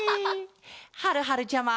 はるはるちゃま！